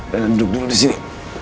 rena duduk dulu disini